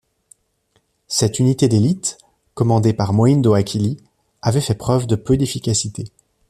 Cette unité d'élite, commandée par Mohindo Akili, avait fait preuve de peu d'efficacité.